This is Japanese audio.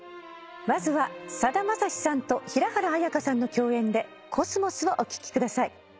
まずはさだまさしさんと平原綾香さんの共演で『秋桜』をお聴きください。